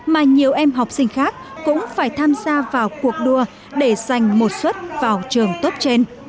mà nhiều em học sinh khác cũng phải tham gia vào cuộc đua để giành một suất vào trường tốt trên